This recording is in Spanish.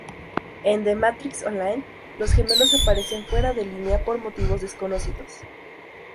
En "The Matrix Online", los Gemelos aparecen fuera de línea, por motivos desconocidos.